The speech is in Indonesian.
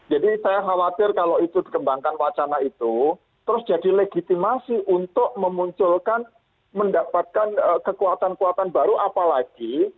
jadi saya khawatir kalau itu dikembangkan wacana itu terus jadi legitimasi untuk memunculkan mendapatkan kekuatan kekuatan baru apalagi